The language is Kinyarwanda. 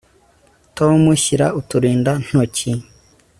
Tom shyira uturindantoki